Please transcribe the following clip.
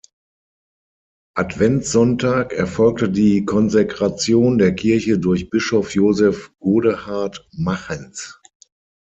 Adventssonntag, erfolgte die Konsekration der Kirche durch Bischof Joseph Godehard Machens.